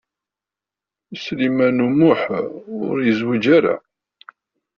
Sliman U Muḥ ur yezwiǧ ara.